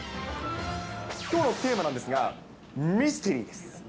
きょうのテーマなんですが、ミステリー？